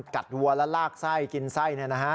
กัดวัวแล้วลากไส้กินไส้เนี่ยนะฮะ